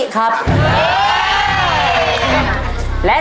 ครอบครับ